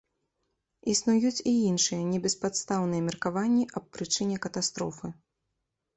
Існуюць і іншыя небеспадстаўныя меркаванні аб прычыне катастрофы.